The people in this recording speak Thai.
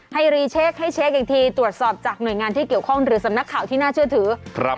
รีเช็คให้เช็คอีกทีตรวจสอบจากหน่วยงานที่เกี่ยวข้องหรือสำนักข่าวที่น่าเชื่อถือ